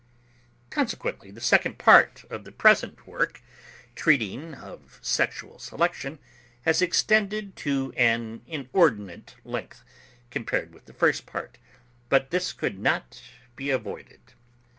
Consequently the second part of the present work, treating of sexual selection, has extended to an inordinate length, compared with the first part; but this could not be avoided.